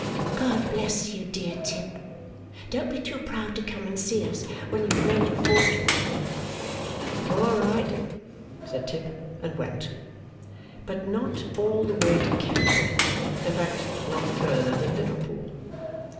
'God bless you, dear Tip. Don't be too proud to come and see us, when you have made your fortune.' 'All right!' said Tip, and went. But not all the way to Canada; in fact, not further than Liverpool.